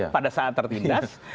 pada saat tertindas